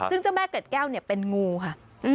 ซึ่งเจ้าแม่เกร็ดแก้วเนี่ยเป็นงูค่ะ